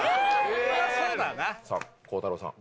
さぁ孝太郎さん。